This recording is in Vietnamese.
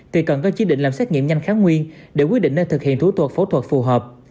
thì cần có chế định làm xét nghiệm nhanh kháng nguyên để quyết định nơi thực hiện thủ tục phẫu thuật phù hợp